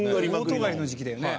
大トガりの時期だよね。